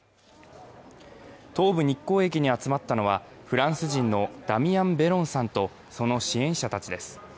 東武日光駅に集まったのは、フランス人のダミアン・ベロンさんとその支援者たちです。